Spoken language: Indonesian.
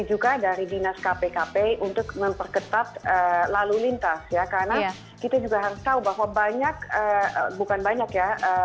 jadi juga dari dinas kpkp untuk memperketat lalu lintas ya karena kita juga harus tahu bahwa banyak bukan banyak ya